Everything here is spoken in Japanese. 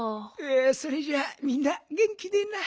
それじゃあみんなげん気でな。